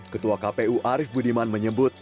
ketua kpu arief budiman menyebut